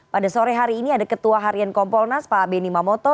pada sore hari ini ada ketua harian kompolnas pak beni mamoto